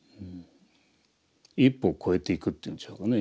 一歩を越えていくっていうんでしょうかね。